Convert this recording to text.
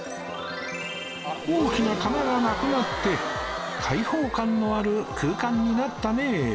大きな棚がなくなって開放感のある空間になったねえ